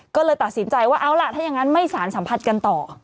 ก็เลยตัดสินใจว่าเอาล่ะถ้าอย่างนั้นไม่สารสัมผัสกันต่อ